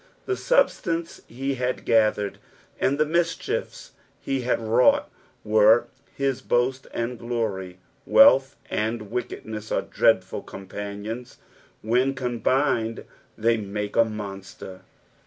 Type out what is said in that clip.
The substance he liad Ksthered, and tbe mischiefa he had wrought, were his boast and glory. Wealth and wickedness are dreadful companions; when combined they make a monster.